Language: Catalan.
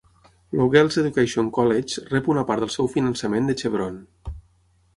El Girls Education College rep una part del seu finançament de Chevron.